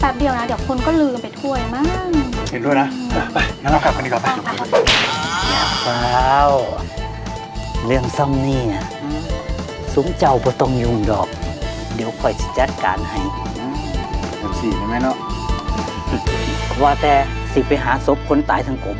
โฟมิ่งแทงกระเบือนมึงแล้วได้นี่โอ๊ยไหวไทยสวาย